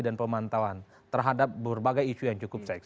dan pemantauan terhadap berbagai isu yang cukup seks